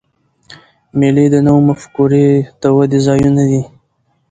مېلې د نوو مفکورې د ودي ځایونه دي.